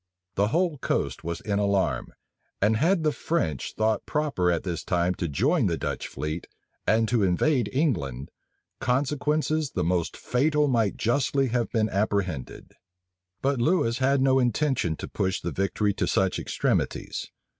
The whole coast was in alarm; and had the French thought proper at this time to join the Dutch fleet, and to invade England, consequences the most fatal might justly have been apprehended. But Lewis had no intention to push the victory to such extremities.